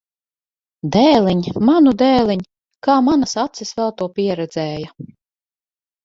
Dēliņ! Manu dēliņ! Kā manas acis vēl to pieredzēja!